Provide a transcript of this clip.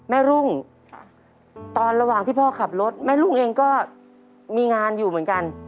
รุ่งตอนระหว่างที่พ่อขับรถแม่รุ่งเองก็มีงานอยู่เหมือนกัน